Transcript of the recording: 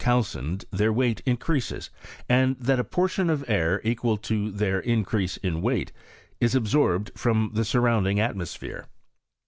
calcined their weight increases, and that a portion ~ t ail equal to their increase in weight is absorbed "le surrounding atmosphere.